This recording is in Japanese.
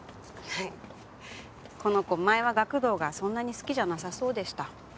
はいこの子前は学童がそんなに好きじゃなさそうでした